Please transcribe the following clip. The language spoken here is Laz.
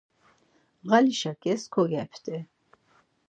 Ğali şakis kogepti.